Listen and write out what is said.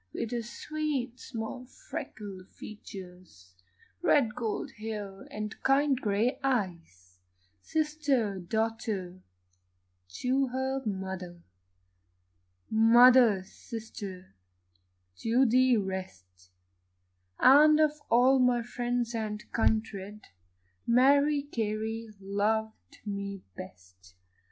With her sweet small freckled features, Red gold hair, and kind grey eyes; Sister, daughter, to her mother, Mother, sister, to the rest And of all my friends and kindred, Mary Carey loved me best.